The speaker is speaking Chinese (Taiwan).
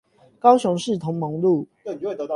高雄市同盟路